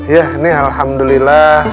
ya ini alhamdulillah